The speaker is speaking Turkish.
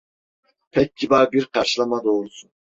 Pek kibar bir karşılama doğrusu!